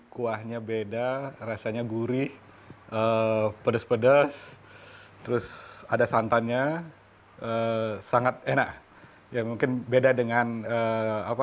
kuahnya beda rasanya gurih pedes pedes terus ada santannya sangat enak ya mungkin beda dengan apa